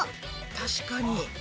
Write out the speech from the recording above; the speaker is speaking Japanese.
確かに。